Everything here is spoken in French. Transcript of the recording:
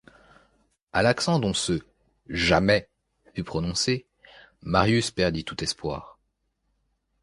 À l’accent dont ce « jamais » fut prononcé, Marius perdit tout espoir.